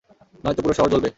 নয়তো পুরো শহর জ্বলবে!